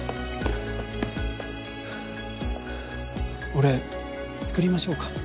俺作りましょうか？